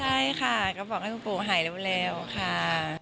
ใช่ค่ะก็บอกให้คุณปู่หายเร็วค่ะ